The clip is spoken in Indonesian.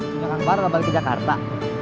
sudah kang bahar atau balik ke jakarta